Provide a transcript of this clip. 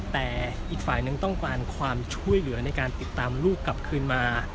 แต่อีกฝ่ายนึงต้องการความช่วยเหลือในการติดตามลูกกลับคืนมา